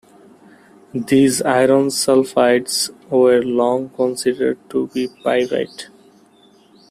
These iron sulfides were long considered to be pyrite.